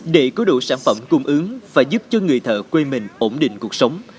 để có đủ sản phẩm cung ứng và giúp cho người thợ quê mình ổn định cuộc sống